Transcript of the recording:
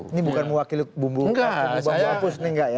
ini bukan mewakili bumbung kapten bambang bapus ini nggak ya